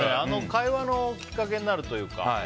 会話のきっかけになるというか。